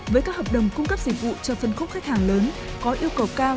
với các hợp đồng cung cấp dịch vụ cho phân khúc khách hàng lớn có yêu cầu cao